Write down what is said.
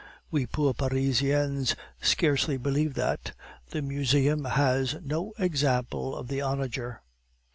We poor Parisians scarcely believe that. The Museum has no example of the onager.